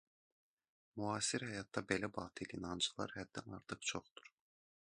Müasir həyatda belə batil inanclar həddən artıq çoxdur.